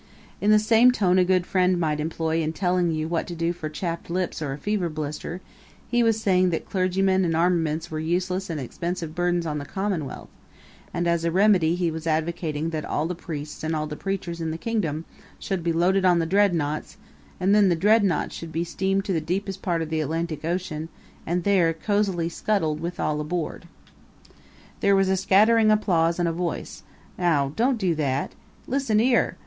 In the same tone a good friend might employ in telling you what to do for chapped lips or a fever blister he was saying that clergymen and armaments were useless and expensive burdens on the commonwealth; and, as a remedy, he was advocating that all the priests and all the preachers in the kingdom should be loaded on all the dreadnoughts, and then the dreadnoughts should be steamed to the deepest part of the Atlantic Ocean and there cozily scuttled, with all aboard. There was scattering applause and a voice: "Ow, don't do that! Listen, 'ere!